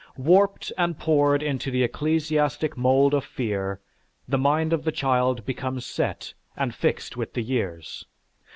Warped and poured into the ecclesiastic mould of fear, the mind of the child becomes set and fixed with the years.